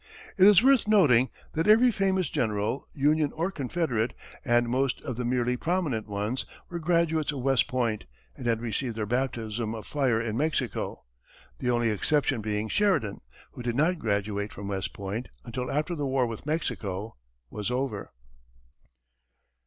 It is worth noting that every famous general, Union or Confederate, and most of the merely prominent ones, were graduates of West Point and had received their baptism of fire in Mexico, the only exception being Sheridan, who did not graduate from West Point until after the war with Mexico was over.